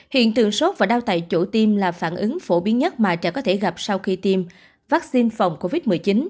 hiện tượng sốt và đau tại chỗ tiêm là phản ứng phổ biến nhất mà trẻ có thể gặp sau khi tiêm vaccine phòng covid một mươi chín